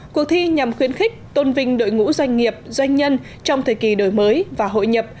cuộc thi nhằm khuyến khích tôn vinh đội ngũ doanh nghiệp doanh nhân trong thời kỳ đổi mới và hội nhập